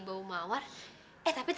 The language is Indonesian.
kau mau siapa